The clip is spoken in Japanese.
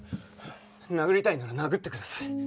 殴りたいなら殴ってください。